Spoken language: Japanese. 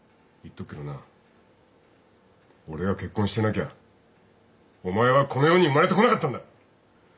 言っとくけどな俺が結婚してなきゃお前はこの世に生まれてこなかったんだ。